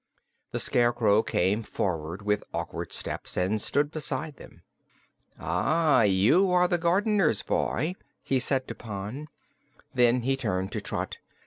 The Scarecrow came forward with awkward steps and stood beside them. "Ah, you are the gardener's boy," he said to Pon. Then he turned to Trot.